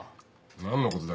何のことだ。